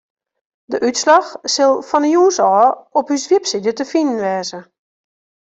De útslach sil fan 'e jûns ôf op ús website te finen wêze.